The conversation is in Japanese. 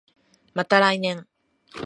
また来年